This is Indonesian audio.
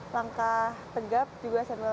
langkah pegap juga sambil